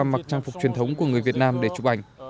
mặc trang phục truyền thống của người việt nam để chụp ảnh